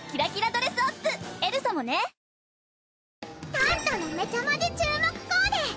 タントのめちゃマジ注目コーデ！